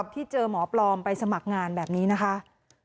ที่เจอหมอปลอมไปสมัครงานแบบนี้นะคะ